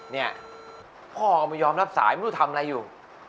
นี่พ่อออกมายอมรับสายมันดูทำอะไรอยู่